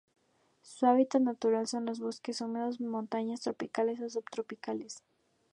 Su hábitat natural son los bosques húmedos de montañas tropicales o subtropicales.